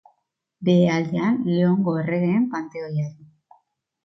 Behealdean Leongo erregeen panteoia du.